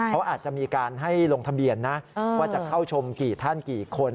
เขาอาจจะมีการให้ลงทะเบียนนะว่าจะเข้าชมกี่ท่านกี่คน